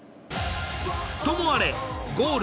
ともあれゴール